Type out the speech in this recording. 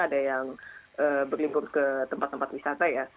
ada yang berlibur ke tempat tempat wisata ya